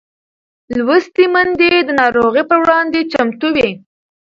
لوستې میندې د ناروغۍ پر وړاندې چمتو وي.